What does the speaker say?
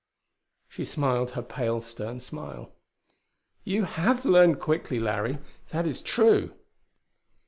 She smiled her pale, stern smile. "You have learned quickly, Larry. That is true."